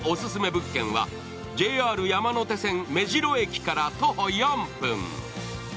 物件はＪＲ山手線・目白駅から徒歩４分。